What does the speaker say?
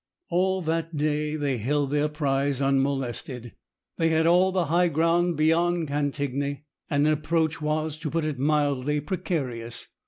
All that day they held their prize unmolested. They had all the high ground beyond Cantigny, and an approach was, to put it mildly, precarious.